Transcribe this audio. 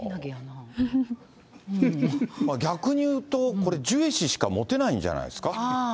逆に言うと、これ、ジュエ氏しか持てないんじゃないですか。